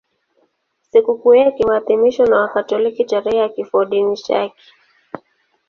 Sikukuu yake huadhimishwa na Wakatoliki tarehe ya kifodini chake.